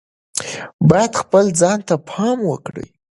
باید خپل ځان ته پام وکړي.